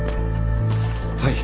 はい。